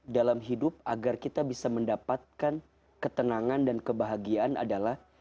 dalam hidup agar kita bisa mendapatkan ketenangan dan kebahagiaan adalah